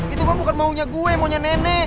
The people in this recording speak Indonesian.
itu pak bukan maunya gue maunya nenek